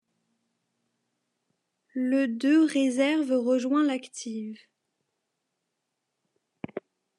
Le de réserve rejoint l'active.